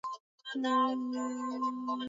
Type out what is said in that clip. muda mfupi ulipita kuwasilisha utetezi wake